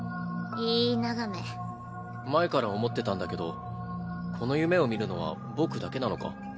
前から思ってたんだけどこの夢を見るのは僕だけなのか？